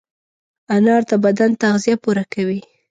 انار د بدن تغذیه پوره کوي.